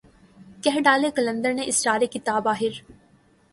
کہہ ڈالے قلندر نے اسرار کتاب آخر